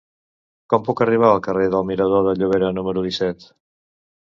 Com puc arribar al carrer del Mirador de Llobera número disset?